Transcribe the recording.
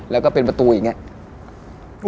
แล้วก็เป็นประตูอย่างนี้